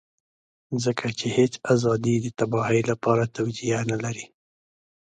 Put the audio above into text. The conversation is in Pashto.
ځکه چې هېڅ ازادي د تباهۍ لپاره توجيه نه لري.